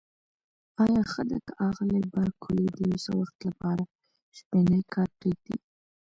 آیا ښه ده که آغلې بارکلي د یو څه وخت لپاره شپنی کار پرېږدي؟